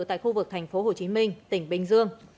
tại khu vực tp hcm tỉnh bình dương